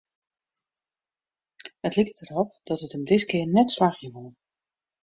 It liket derop dat it him diskear net slagje wol.